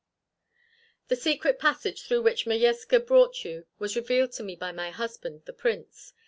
"The secret passage through which Modjeska brought you was revealed to me by my husband, the Prince.